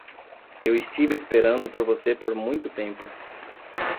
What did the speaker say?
Eu estive esperando por você por muito tempo!